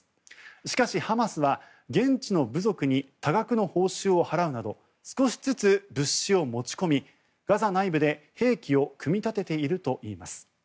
しかしハマスは現地の部族に多額の報酬を払うなど少しずつ物資を持ち込みガザ内部で兵器を組み立てているといいます。